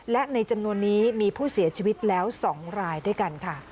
และในจำนวนนี้มีผู้เสียชีวิตแล้ว๒รายด้วยกันค่ะ